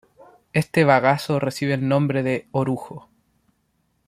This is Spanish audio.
Este bagazo recibe el nombre de orujo.